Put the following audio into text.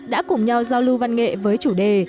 đã cùng nhau giao lưu văn nghệ với chủ đề